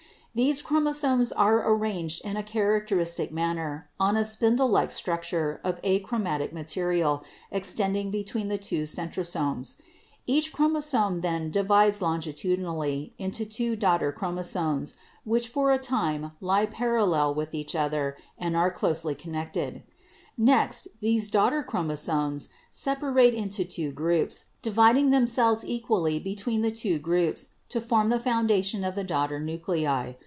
These chromosomes are arranged in a characteristic manner on a spindle like structure of achromatic material extending between the two centrosomes. Each chromosome then divides longitudinally into two daughter chromosomes which for a time lie parallel with each other and are closely connected. Next, these daughter chromosomes sep arate into two groups, dividing themselves equally between the two groups to form the foundation of the daughter nuclei.